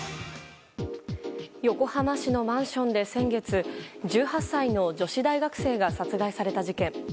横浜市のマンションで先月１８歳の女子大学生が殺害された事件。